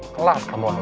telah kamu alih